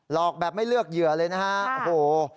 ลอกแบบไม่เลือกเยือเลยนะคะ